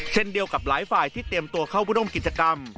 เช่นเดียวกับหลายฝ่ายที่เตรียมตัวเข้าร่วมกิจกรรม